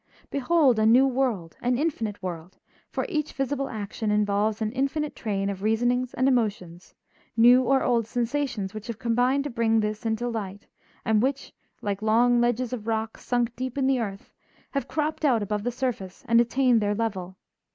Behold a new world, an infinite world; for each visible action involves an infinite train of reasonings and emotions, new or old sensations which have combined to bring this into light and which, like long ledges of rock sunk deep in the earth, have cropped out above the surface and attained their level.